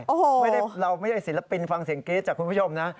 โอ้โหไม่ได้เราไม่ใช่ศิลปินฟังเสียงกรี๊ดจากคุณผู้ชมนะ